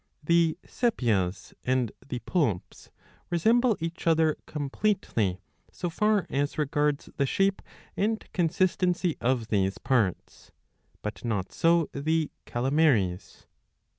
The Sepias and the Poulps resemble each other completely, so far as regards the shape and consistency of these parts. But not so the Calamaries.